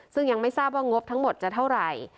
ซึ่งยังไม่ทราบว่างบทั้งหมดจะเท่าไหร่